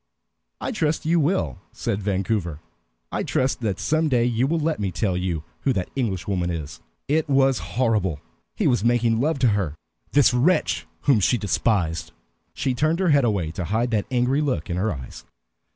"I trust you will," said Vancouver. "I trust that some day you will let me tell you who that Englishwoman is." It was horrible; he was making love to her, this wretch, whom she despised. She turned her head away to hide the angry look in her eyes.